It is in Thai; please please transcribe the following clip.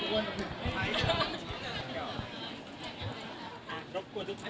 มึงไม่ซั้วใครครับ